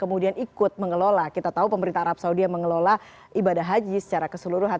kemudian ikut mengelola kita tahu pemerintah arab saudi yang mengelola ibadah haji secara keseluruhan